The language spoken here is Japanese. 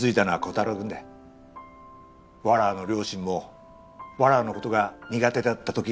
「わらわの両親もわらわの事が苦手だった時があった」って。